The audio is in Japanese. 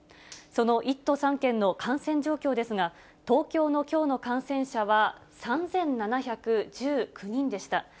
その１都３県の感染状況ですが、東京のきょうの感染者は３７１９人でした。